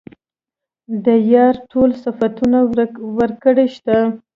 د يارۍ ټول صفتونه ورکې شته.